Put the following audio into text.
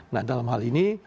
nah dalam hal ini